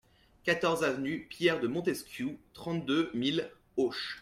quatorze avenue Pierre de Montesquiou, trente-deux mille Auch